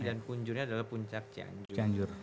dan punjurnya adalah puncak cianjur